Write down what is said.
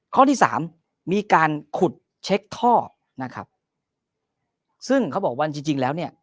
ข้อที่สามมีการขุดเช็คท่อนะครับซึ่งเขาบอกว่าจริงจริงแล้วเนี่ย